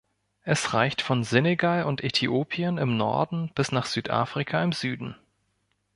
Es reicht von Senegal und Äthiopien im Norden bis nach Südafrika im Süden.